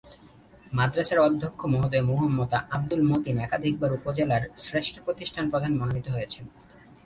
মাদ্রাসার অধ্যক্ষ মহোদয় মুহাম্মদ আব্দুল মতিন একাধিকবার উপজেলার শ্রেষ্ঠ প্রতিষ্ঠান প্রধান মনোনীত হয়েছেন।